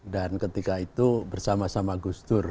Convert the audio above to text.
dan ketika itu bersama sama gustur